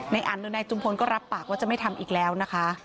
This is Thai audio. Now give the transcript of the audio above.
อันหรือนายจุมพลก็รับปากว่าจะไม่ทำอีกแล้วนะคะ